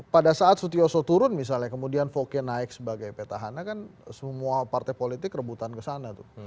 pada saat sutioso turun misalnya kemudian voke naik sebagai petahana kan semua partai politik rebutan ke sana tuh